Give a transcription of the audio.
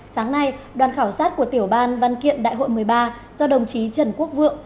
sáng nay đoàn khảo sát của tiểu ban văn kiện đại hội một mươi ba do đồng chí trần quốc vượng